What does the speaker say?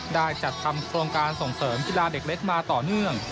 ได้จัดทำโครงการส่งเสริมกีฬาเด็กเล็กมาต่อเนื่อง